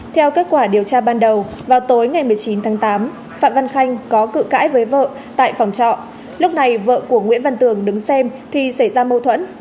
theo kết quả điều tra ban đầu vào tối ngày một mươi chín tháng tám phạm văn khanh có cự cãi với vợ tại phòng trọ lúc này vợ của nguyễn văn tường đứng xem thì xảy ra mâu thuẫn